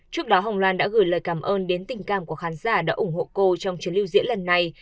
trước đó hồng loan đã gửi lời cảm ơn đến tình cảm của khán giả đã ủng hộ cô trong chuyến lưu diễn lần này